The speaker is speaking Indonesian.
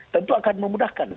tentu akan memudahkan